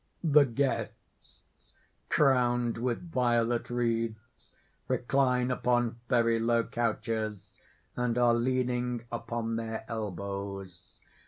_ _The guests, crowned with violet wreaths, recline upon very low couches and are leaning upon their elbows.